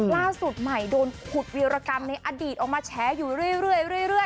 ล่าสุดใหม่โดนขุดวีรกรรมในอดีตออกมาแฉอยู่เรื่อย